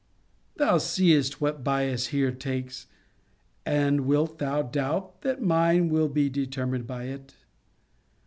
Thou seest what bias here takes And wilt thou doubt that mine will be determined by it?